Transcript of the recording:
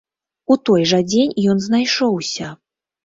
У той жа дзень ён знайшоўся.